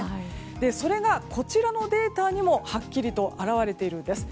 それがこちらのデータにもはっきりと表れているんです。